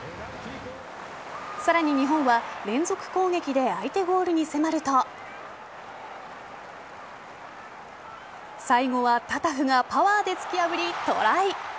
さらに、日本は連続攻撃で相手ゴールに迫ると最後はタタフがパワーで突き破りトライ。